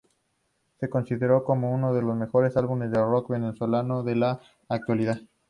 Es considerado como unos de los mejores álbumes del rock venezolano de la actualidad.